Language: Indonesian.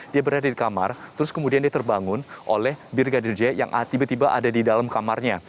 dia berada di kamar terus kemudian dia terbangun oleh brigadir j yang tiba tiba ada di dalam kamarnya